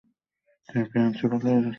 তিনি ফ্রান্সে পালিয়ে যেতে সক্ষম হন।